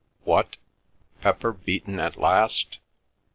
"What? Pepper beaten at last?